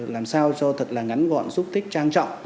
làm sao cho thật là ngắn gọn xúc tích trang trọng